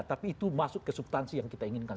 tapi itu masuk ke subtansi yang kita inginkan